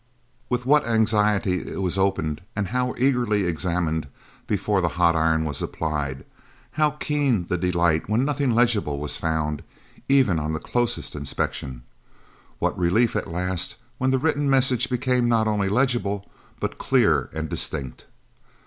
With what anxiety it was opened and how eagerly examined before the hot iron was applied! how keen the delight when nothing legible was found, even on the closest inspection! What relief, at last, when the written messages became not only legible, but clear and distinct!